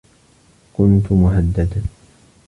كنت مهددا